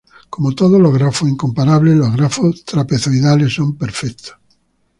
Como todos los grafos incomparables los grafos trapezoidales son perfectos.